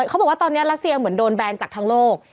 เขาบอกว่าตอนนี้รัสเซียเหมือนโดนแบนจากทั้งโลก